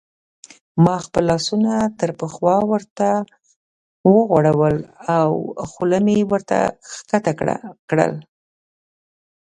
ما خپل لاسونه تر پخوا ورته وغوړول او خوله مې ورته کښته کړل.